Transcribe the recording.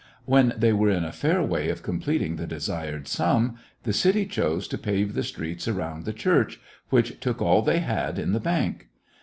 When they were in a fair way of completing the desired sum, the city chose to pave the streets around the church, which took all they had in the bank.